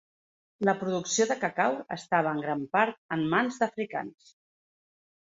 La producció de cacau estava en gran part en mans d'africans.